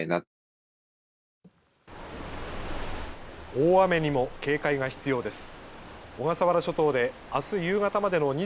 大雨にも警戒が必要です。